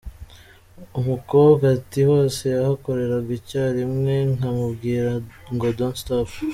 Umukobwa ati ”Hose yahakoreraga icyarimwe, nkamubwira ngo don’t stop !“.